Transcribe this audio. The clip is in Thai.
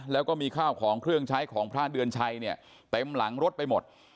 แล้วก็มีข้าวของเครื่องใช้ของพระเดือนชัยเนี่ยเต็มหลังรถไปหมด